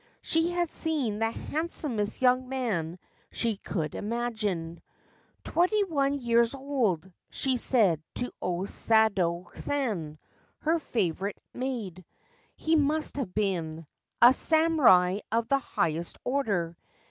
She had seen the handsomest young man she could imagine. * Twenty one years old/ she said to O Sadayo San, her favourite maid, ' he must have been — a samurai of the highest order.